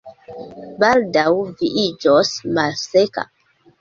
Baldaŭ vi iĝos malseka